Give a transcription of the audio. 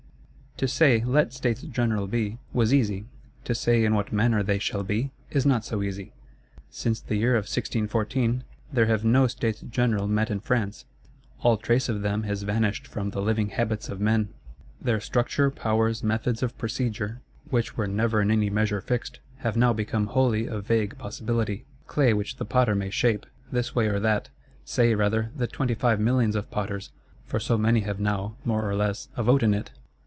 To say, let States General be, was easy; to say in what manner they shall be, is not so easy. Since the year of 1614, there have no States General met in France, all trace of them has vanished from the living habits of men. Their structure, powers, methods of procedure, which were never in any measure fixed, have now become wholly a vague possibility. Clay which the potter may shape, this way or that:—say rather, the twenty five millions of potters; for so many have now, more or less, a vote in it!